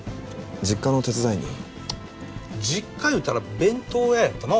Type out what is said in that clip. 実家の手伝いに実家いうたら弁当屋やったな